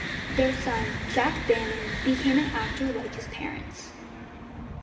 Their son, Jack Bannon, became an actor like his parents.